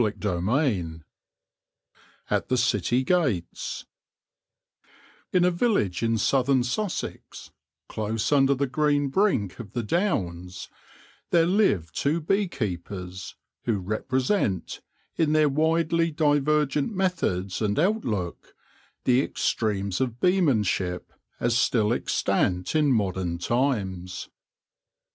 CHAPTER IY AT THE CITY GATES IN a village in Southern Sussex, close under the green brink of the Downs, there live two bee keepers who represent, in their widely divergent methods and outlook, the extremes of beemanship as still extant in modern times.